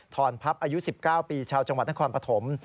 อนพับอายุ๑๙ปีชาวจังหวัดนครปฐม